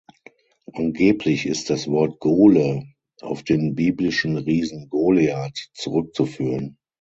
Angeblich ist das Wort "Gole" auf den biblischen Riesen Goliath zurückzuführen.